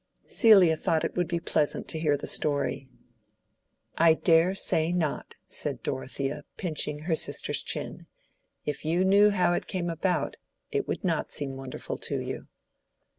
Celia thought it would be pleasant to hear the story. "I dare say not," said Dorothea, pinching her sister's chin. "If you knew how it came about, it would not seem wonderful to you."